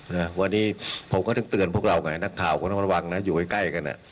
นะวันนี้ผมก็ต้องเตือนพวกเราไงนักข่าวก็ต้องระวังนะอยู่ใกล้ใกล้กันอ่ะ